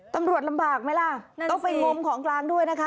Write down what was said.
ตำรวจลำบากไหมล่ะต้องไปงมของกลางด้วยนะคะ